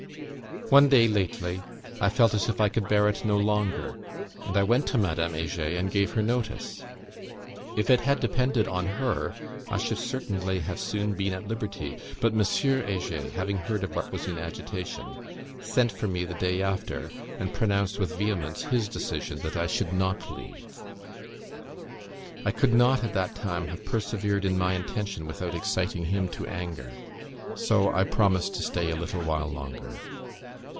One day, lately, I felt as if I could bear it no longer, and I went to Madame Heger, and gave her notice. If it had depended on her, I should certainly have soon been at liberty; but M. Heger, having heard of what was in agitation, sent for me the day after, and pronounced with vehemence his decision, that I should not leave. I could not, at that time, have persevered in my intention without exciting him to anger; so I promised to stay a little while longer.